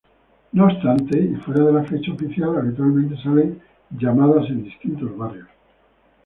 No obstante, y fuera de la fecha oficial, habitualmente salen "llamadas" en distintos barrios.